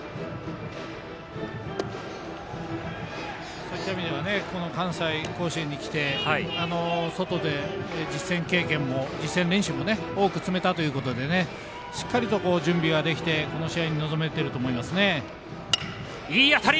そういった意味では関西、甲子園に来て外で、実戦練習も多くつめたということでしっかりと準備ができてこの試合に臨めていると思います。